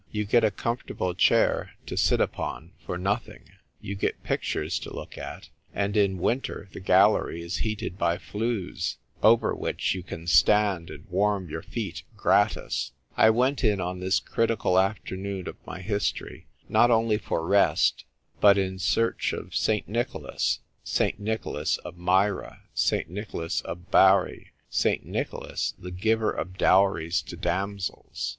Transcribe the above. You get a comfortable chair to sit upon for nothing; you get pictures to look at ; and in winter the gallery is heated by flues, over which you car stand and warm your feet gratis. I went ir on this critical afternoon of my history, n^t onl^^ for rest, but THE CHOICE OF A PATRON. 45 in search of St. Nicholas — St. Nicliolas of Myra — St. Nicholas of Bari — St. Nicholas, the giver of dowries to damsels.